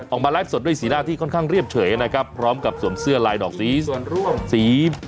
ออกมาไลฟ์สดด้วยสีหน้าที่ค่อนข้างเรียบเฉยนะครับพร้อมกับสวมเสื้อลายดอกสี